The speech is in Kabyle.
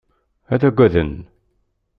Ad agaden.